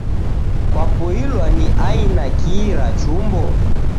Kwapoilwa ni aina ki ra chumbo?